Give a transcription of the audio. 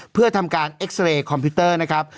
เพื่อทำการเอ็กซาเรย์คอมพิวเตอร์นะครับ